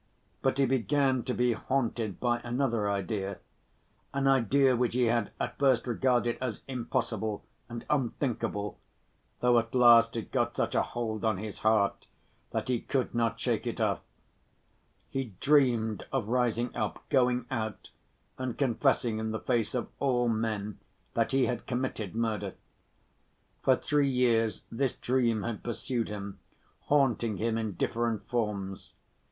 But he began to be haunted by another idea—an idea which he had at first regarded as impossible and unthinkable, though at last it got such a hold on his heart that he could not shake it off. He dreamed of rising up, going out and confessing in the face of all men that he had committed murder. For three years this dream had pursued him, haunting him in different forms.